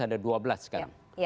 ada dua belas sekarang